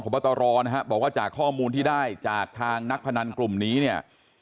พบตรนะฮะบอกว่าจากข้อมูลที่ได้จากทางนักพนันกลุ่มนี้เนี่ย